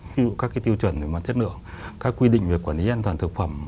ví dụ các cái tiêu chuẩn về mặt chất lượng các quy định về quản lý an toàn thực phẩm